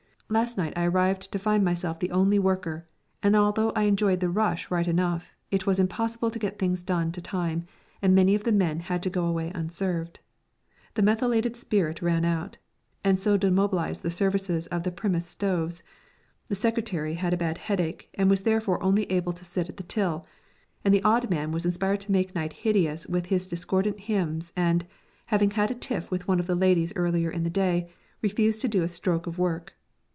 Last night I arrived to find myself the only worker, and although I enjoyed the rush right enough, it was impossible to get things done to time, and many of the men had to go away unserved. The methylated spirit ran out, and so demobilised the services of the Primus stoves. The secretary had a bad headache, and was therefore only able to sit at the till, and the odd man was inspired to make night hideous with his discordant hymns, and, having had a tiff with one of the ladies earlier in the day, refused to do a stroke of work.